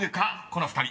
この２人］